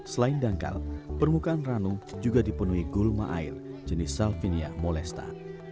selain dangkal permukaan ranu juga dipenuhi gulma air jenis salvinia molesta